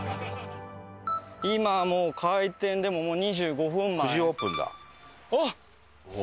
今もう開店でもう２５分前。